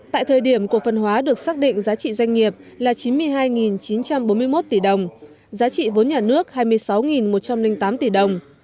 tại thời điểm cổ phần hóa được xác định giá trị doanh nghiệp là chín mươi hai chín trăm bốn mươi một tỷ đồng giá trị vốn nhà nước hai mươi sáu một trăm linh tám tỷ đồng